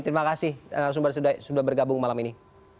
terima kasih narasumber sudah bergabung malam ini